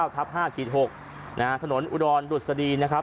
๒๘๙ทัพ๕๖นะฮะถนนอุดรดุษฎีนะครับ